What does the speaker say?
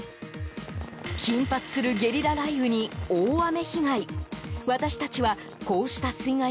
頻発するゲリラ雷雨に大雨被害。